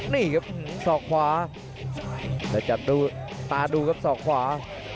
นี่ครับสอกขวาแล้วจับดูตาดูครับศอกขวา